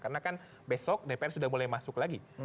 karena kan besok dpr sudah mulai masuk lagi